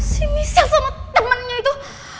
si misha sama temennya itu